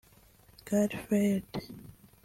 Garfield